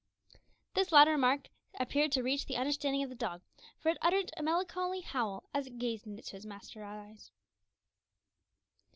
This latter remark appeared to reach the understanding of the dog, for it uttered a melancholy howl as it gazed into its master's eyes.